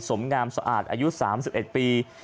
สมงามสะอาดอายุ๓๑ปี